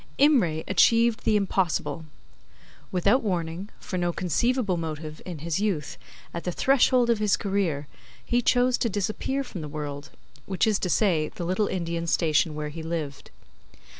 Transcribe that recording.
Imray achieved the impossible. Without warning, for no conceivable motive, in his youth, at the threshold of his career he chose to disappear from the world which is to say, the little Indian station where he lived.